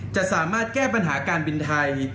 จะสามารถแก้ปัญหาการบินไทย